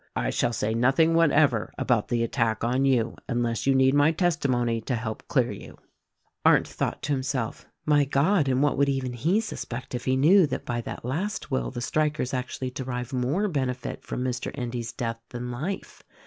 I shall say nothing whatever about the attack on you unless you need my testimony to help clear you." Arndt thought to himself, "My God! and what would even he suspect if he knew that by that last will the strik ers actually derive more benefit from Mr. Endy's death than life."